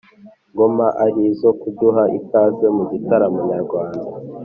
ngoma ari izo kuduha ikaze mu gitaramo nyarwanda.